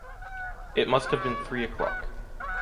It must have been three o’clock.